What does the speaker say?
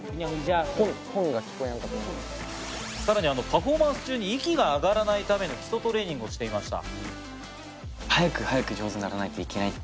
さらにパフォーマンス中に息が上がらないための基礎トレーニングをしていました。